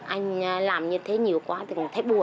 anh làm như thế nhiều quá thì mình thấy buồn